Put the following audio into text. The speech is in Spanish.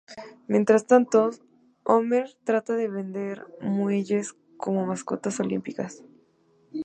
Mientras tanto, Homer trata de vender muelles como mascotas olímpicas.